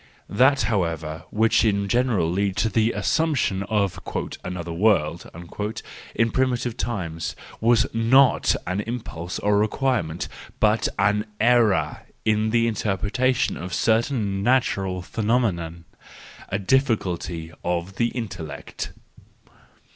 That however which in general led to the assumption of " another world " in primitive times, was not an impulse or require¬ ment, but an error in the interpretation of certain natural phenomena, a difficulty of the intellect.